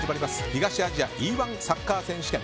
東アジアＥ‐１サッカー選手権。